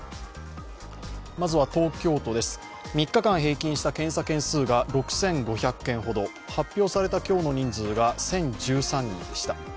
まずは東京都です、３日間平均した検査件数が６５００件ほど、発表された今日の人数が１０１３人でした。